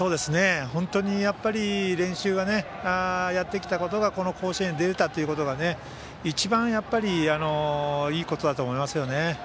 本当に練習でやってきたことがこの甲子園で出たということが一番いいことだと思いますけどね。